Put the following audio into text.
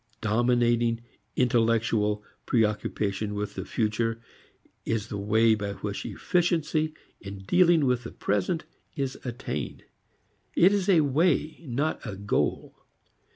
Dominating intellectual pre occupation with the future is the way by which efficiency in dealing with the present is attained. It is a way, not a goal.